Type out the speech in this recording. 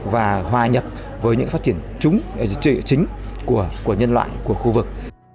và hòa nhập với những phát triển chính của nhân loại của khu vực